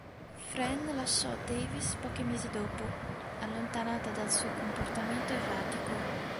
Fran lasciò Davis pochi mesi dopo, allontanata dal suo comportamento erratico..